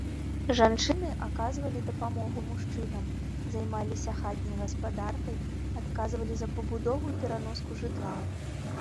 Жанчыны аказвалі дапамогу мужчынам, займаліся хатняй гаспадаркай, адказвалі за пабудову і пераноску жытла.